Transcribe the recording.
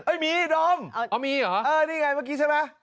มีดมนี่ไงเมื่อกี้ใช่ไหมอ๋อมีเหรอ